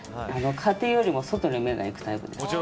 家庭よりも外に目が行くタイプ。